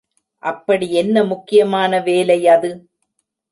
அப்படி என்ன முக்கியமான வேலை அது?